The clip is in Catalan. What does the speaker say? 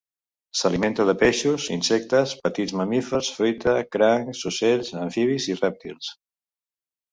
S'alimenta de peixos, insectes, petits mamífers, fruita, crancs, ocells, amfibis i rèptils.